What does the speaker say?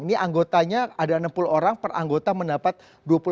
ini anggotanya ada enam puluh orang per anggota mendapat dua puluh enam